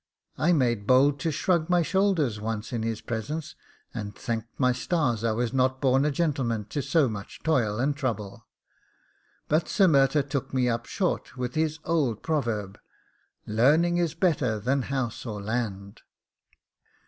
I made bold to shrug my shoulders once in his presence, and thanked my stars I was not born a gentleman to so much toil and trouble; but Sir Murtagh took me up short with his old proverb, 'learning is better than house or land.